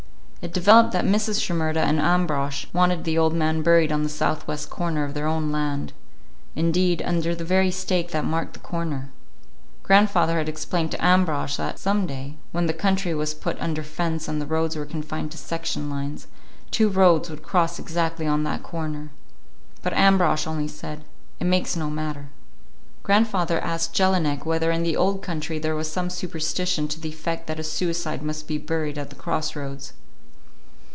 It developed that Mrs. Shimerda and Ambrosch wanted the old man buried on the southwest corner of their own land; indeed, under the very stake that marked the corner. Grandfather had explained to Ambrosch that some day, when the country was put under fence and the roads were confined to section lines, two roads would cross exactly on that corner. But Ambrosch only said, "It makes no matter." Grandfather asked Jelinek whether in the old country there was some superstition to the effect that a suicide must be buried at the cross roads.